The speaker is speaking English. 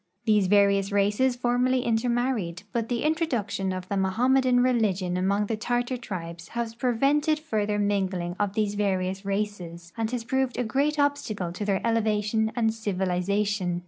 These various races formerly intermarried, but the introduction of the ^Mohammedan religion among the Tartar trilies has pre vented further mingling of these various races and has proved a great obstacle to their elev'^ation and civilization.